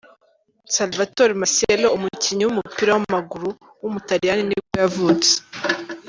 Salvatore Masiello, umukinnyi w’umupira w’amaguru w’umutaliyani nibwo yavutse.